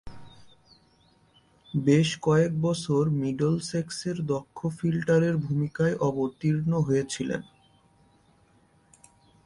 বেশ কয়েকবছর মিডলসেক্সের দক্ষ ফিল্ডারের ভূমিকায় অবতীর্ণ হয়েছিলেন।